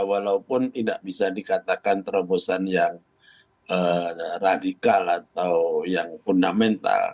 walaupun tidak bisa dikatakan terobosan yang radikal atau yang fundamental